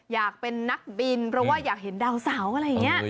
อยากเป็นนักบินเพราะว่าอยากเห็นดาวเสาอะไรอย่างนี้